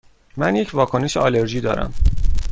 من یک واکنش آلرژی دارم.